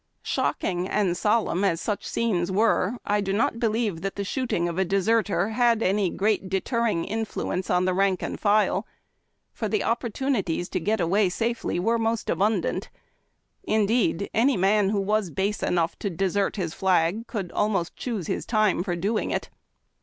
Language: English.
Shocking and solemn as such scenes were, I do not believe that the shooting of a deserter had any great deterring influ ence on the rank and file ; for the opportunities to get away safely were most abundant. Indeed, any man who was base enough to desert his flasc could almost choose his time for doing it.